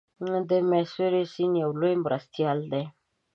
د میسوری سیند یو لوی مرستیال دی.